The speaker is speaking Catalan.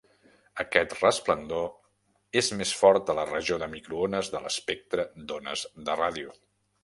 Aquest resplendor és més fort a la regió de microones de l'espectre d'ones de ràdio.